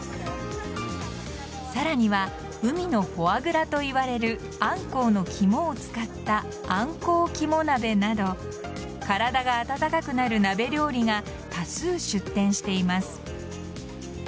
さらには海のフォアグラといわれるアンコウの肝を使ったあんこう肝鍋など体が温かくなる鍋料理が多数出店しています。